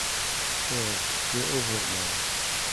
There, we’re over it now.